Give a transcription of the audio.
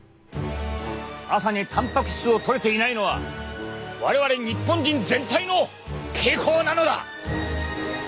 朝にたんぱく質をとれていないのは我々日本人全体の傾向なのだ！